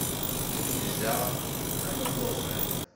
I lebda am llufan.